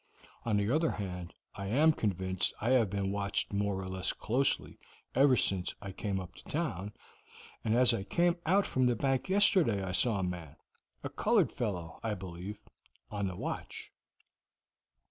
On the other hand, I am convinced I have been watched more or less closely ever since I came up to town, and as I came out from the bank yesterday I saw a man a colored fellow, I believe on the watch.